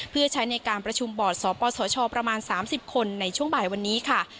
เพื่อใช้ในการประชุมบอร์ดสปสชประมาณ๓๐คนในช่วงบ่ายวันนี้ค่ะ